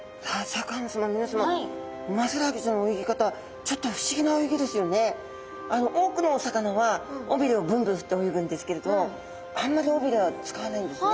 ウマヅラハギちゃんの泳ぎ方あの多くのお魚はおびれをブンブンふって泳ぐんですけれどもあんまりおびれはつかわないんですね。